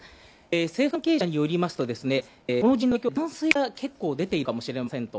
政府関係者によりますと、この地震の影響で断水が結構出ているかもしれませんと。